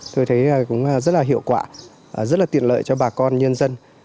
tôi thấy cũng rất là hiệu quả rất là tiện lợi cho bà con nhân dân